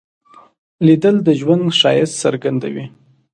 لیدل د ژوند ښایست څرګندوي